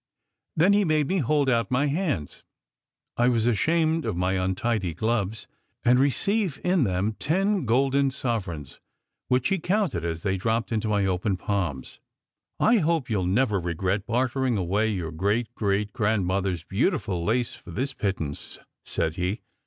Then SECRET HISTORY 25 he made me hold out my hands (I was ashamed of my un tidy gloves) and receive in them ten golden sovereigns, which he counted as they dropped into my open palms. "I hope you ll never regret bartering away your great great grandmother s beautiful lace for this pittance," said he.